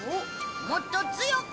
もっと強く！